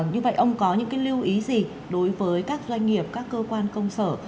như vậy ông có những lưu ý gì đối với các doanh nghiệp các cơ quan công sở